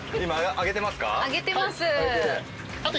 揚げてます。